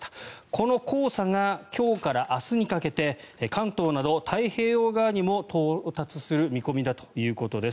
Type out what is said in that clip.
この黄砂が今日から明日にかけて関東など太平洋側にも到達する見込みだということです。